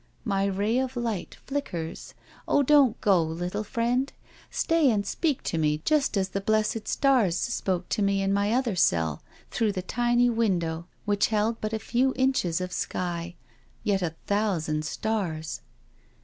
My ray of light flickers — oh, don't go, little friend I stay and speak to me just as the blessed stars spoke to me in my other cell through the tiny window which held but a few inches of sky, yet a thousand stars.